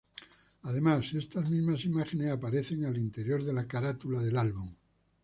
Además estas mismas imágenes aparecen al interior de la carátula del álbum.